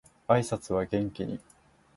挨拶は元気に